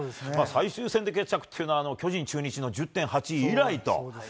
最終戦で決着というのは、巨人、中日の１０・８以来と。